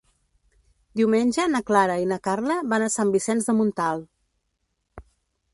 Diumenge na Clara i na Carla van a Sant Vicenç de Montalt.